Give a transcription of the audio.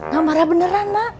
gak marah beneran mak